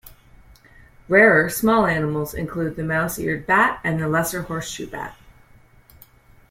Rarer small animals include the mouse-eared bat and lesser horseshoe bat.